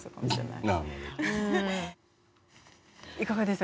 いかがでした？